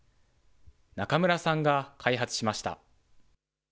中村さんが開発しました。